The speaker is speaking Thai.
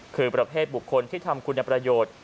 คือประเภทบุคคลที่ทำคุณประโยชน์